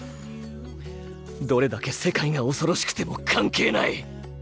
どれだけ世界が恐ろしくても関係無い！